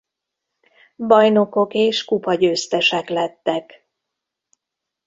Bajnokok és kupagyőztesek lettek.